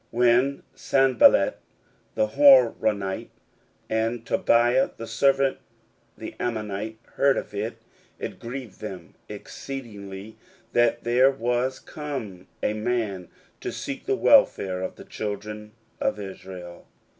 16:002:010 When Sanballat the Horonite, and Tobiah the servant, the Ammonite, heard of it, it grieved them exceedingly that there was come a man to seek the welfare of the children of Israel.